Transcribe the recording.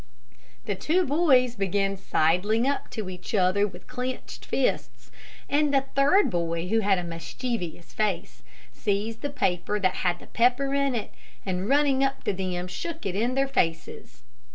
The two boys began sidling up to each other with clenched fists, and a third boy, who had a mischievous face, seized the paper that had had the pepper in it, and running up to them shook it in their faces.